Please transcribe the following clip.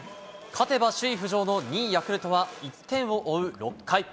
勝てば首位浮上の２位ヤクルトは、１点を追う６回。